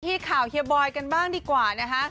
ข่าวเฮียบอยกันบ้างดีกว่านะคะ